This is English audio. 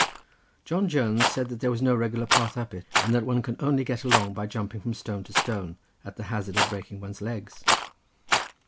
John Jones said that there was no regular path up it, and that one could only get along by jumping from stone to stone, at the hazard of breaking one's legs.